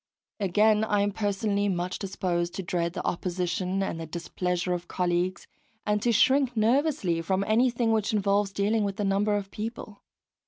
Again, I am personally much disposed to dread the opposition and the displeasure of colleagues, and to shrink nervously from anything which involves dealing with a number of people.